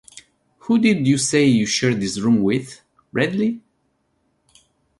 Whom did you say you shared this room with, Bradley?